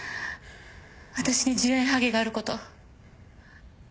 私に１０円ハゲがあること。